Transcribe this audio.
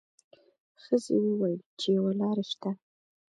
ښځې وویل چې یوه لار شته.